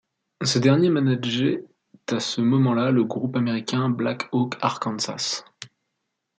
Ce dernier manageait à ce moment-là le groupe américain Black Oak Arkansas.